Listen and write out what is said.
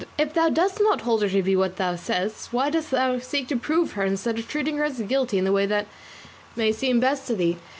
If thou dost not hold her to be what thou why dost thou seek to prove her instead of treating her as guilty in the way that may seem best to thee?